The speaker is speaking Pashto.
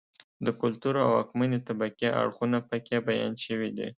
د کلتور او واکمنې طبقې اړخونه په کې بیان شوي دي.